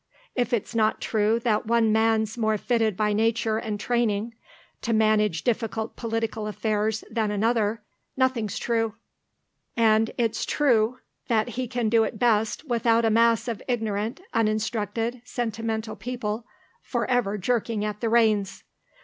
If it's not true that one man's more fitted by nature and training to manage difficult political affairs than another, nothing's true. And it's true that he can do it best without a mass of ignorant, uninstructed, sentimental people for ever jerking at the reins.